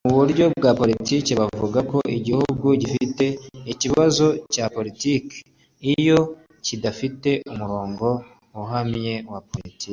Mu buryo bwa politiki bavuga ko igihugu gifite ikibazo cya politiki iyo kidafite umurongo uhamye wa politiki